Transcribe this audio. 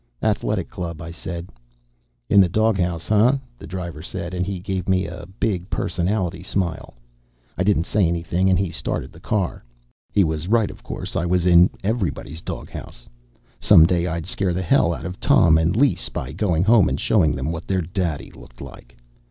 "Athletic Club," I said. "Inna dawghouse, harh?" the driver said, and he gave me a big personality smile. I didn't say anything and he started the car. He was right, of course. I was in everybody's doghouse. Some day I'd scare hell out of Tom and Lise by going home and showing them what their daddy looked like.